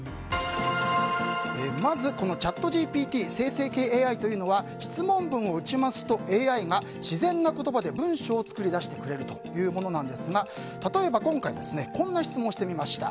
まずチャットＧＰＴ生成系ＡＩというのは質問文を打ちますとＡＩが自然な言葉で文章を作り出してくれるというものなんですが例えば今回こんな質問をしてみました。